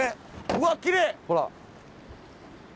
うわきれい！